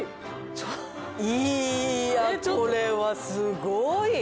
いやこれはすごい！